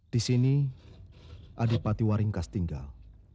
di sini adipati waringkas tinggal